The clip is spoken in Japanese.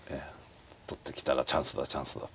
取ってきたらチャンスだチャンスだ。